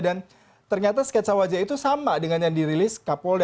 dan ternyata sketsa wajah itu sama dengan yang dirilis kapolri